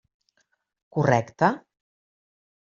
Correcte?